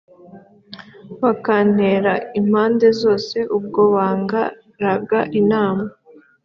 bukantera impande zose ubwo bang raga inama